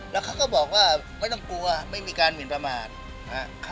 แล้วเขาก็บอกว่าไม่ต้องกลัวไม่มีการหมินประมาทนะครับ